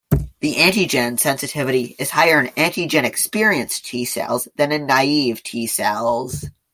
The antigen sensitivity is higher in antigen-experienced T cells than in naive T cells.